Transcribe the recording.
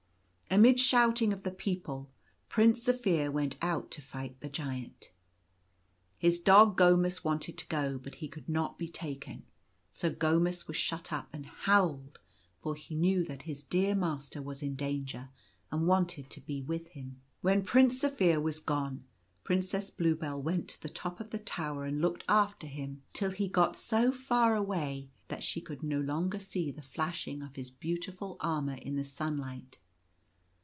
Amid shouting of the people, Prince Zaphir went out to fight the Giant. His dog, Gomus, wanted to go, but he could not be taken. So Gomus was shut up and howled, for he knew that his dear master was in danger and wanted to be with him. When Prince Zaphir was gone, Princess Bluebell went to the top of the tower and looked after him till he got: so far away that she could no longer see the flashing of his beautiful armour in the sunlight.